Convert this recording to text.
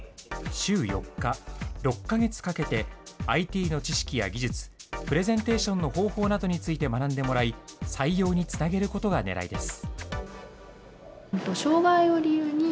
週４日、６か月かけて、ＩＴの知識や技術、プレゼンテーションの方法などについて学んでもらい、採用につなげることがねらいです。